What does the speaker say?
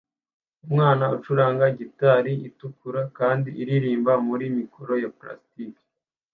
Umwana acuranga gitari itukura kandi aririmba muri mikoro ya plastike